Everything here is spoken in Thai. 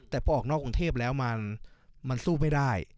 แต่พอออกนอกกรุงเทพแล้วมันสู้ไม่ได้